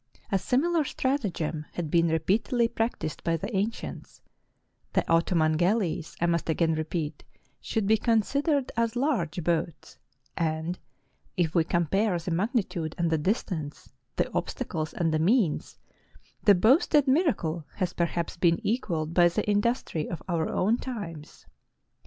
A similar strata gem had been repeatedly practiced by the ancients; the Ottoman galleys (I must again repeat) should be con sidered as large boats; and, if we compare the magnitude and the distance, the obstacles and the means, the boasted miracle has perhaps been equaled by the indus try of our own times.